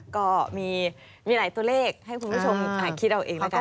ก็มีหลายตัวเลขให้คุณผู้ชมคิดเอาเองแล้วกัน